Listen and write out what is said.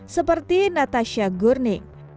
seperti natasha gurney